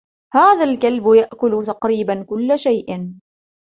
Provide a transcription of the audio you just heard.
هذا الكلب يأكل تقريباً كل شئ.